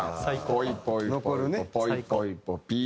『ぽいぽいぽいぽぽいぽいぽぴー』。